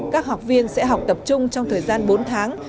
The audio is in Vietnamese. các học viên sẽ học tập trung trong thời gian bốn tháng